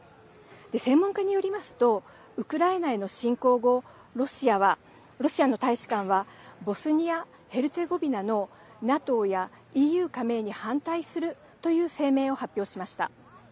専門家によりますとウクライナへの侵攻後ロシアの大使館はボスニア・ヘルツェゴビナのＮＡＴＯやＥＵ加盟に反対するという声明を発表しました。